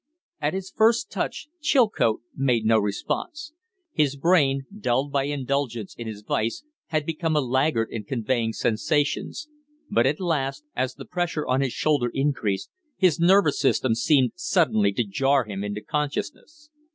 At his first touch Chilcote made no response his brain, dulled by indulgence in his vice, had become a laggard in conveying sensations; but at last, as the pressure on his shoulder increased, his nervous system seemed suddenly to jar into consciousness.